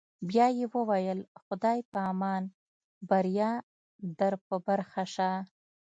بیا یې وویل: خدای په امان، بریا در په برخه شه.